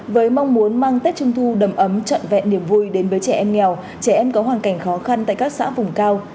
với mong muốn mang tết trung thu đầm ấm trọn vẹn niềm vui đến với trẻ em nghèo trẻ em có hoàn cảnh khó khăn tại các xã vùng cao